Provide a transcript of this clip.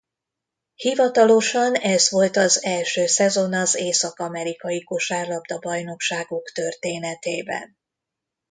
Hivatalosan ez volt az első szezon az észak-amerikai kosárlabda-bajnokságok történetében.